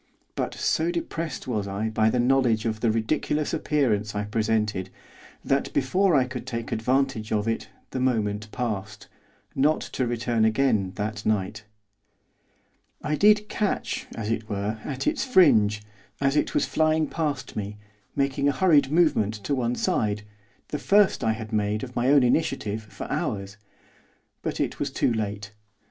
But so depressed was I by the knowledge of the ridiculous appearance I presented that, before I could take advantage of it the moment passed, not to return again that night. I did catch, as it were, at its fringe, as it was flying past me, making a hurried movement to one side, the first I had made, of my own initiative, for hours. But it was too late.